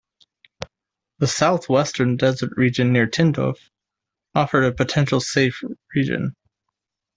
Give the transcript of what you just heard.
The south-western desert region near Tindouf offered a potential safe region.